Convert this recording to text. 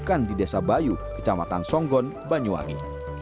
makan di desa bayu kecamatan songgon banyuwangi